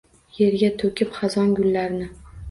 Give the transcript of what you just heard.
Yerga toʻkib xazon, gullarni.